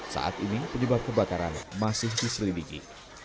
saat ini penyebab kebakaran masih diselidiki